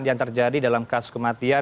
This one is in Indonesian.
yang terjadi dalam kasus kematian